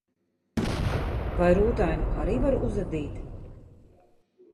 Vai rūtainu arī var uzadīt?